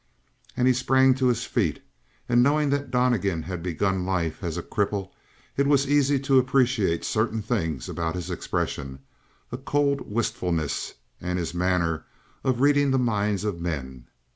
And he sprang to his feet. And knowing that Donnegan had begun life as a cripple it was easy to appreciate certain things about his expression a cold wistfulness, and his manner of reading the minds of men.